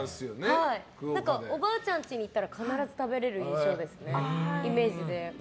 おばあちゃんちに行ったら必ず食べれる印象ですね。